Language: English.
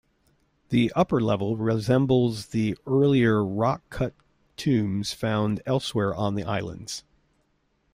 The upper level resembles the earlier rock-cut tombs found elsewhere on the Islands.